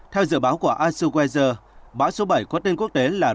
theo dự báo của iceweather báo số bảy có tên quốc tế là